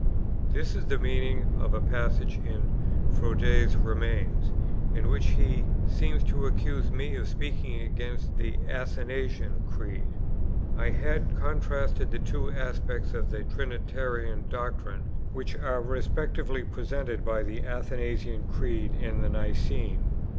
This is the meaning of a passage in Froude's Remains, in which he seems to accuse me of speaking against the Athanasian Creed. I had contrasted the two aspects of the Trinitarian doctrine, which are respectively presented by the Athanasian Creed and the Nicene.